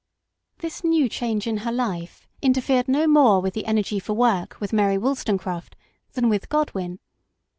This new change in her life interfered no more with the energy for work with Mary Wollstonecraft than with Godwin.